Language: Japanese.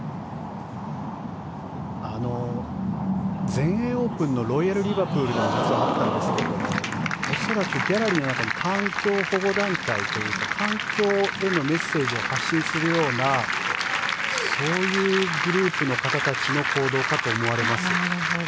全英オープンのロイヤル・リバプールでもあったんですけども恐らくギャラリーの中に環境保護団体というか環境へのメッセージを発信するようなそういうグループの方たちの行動かと思われます。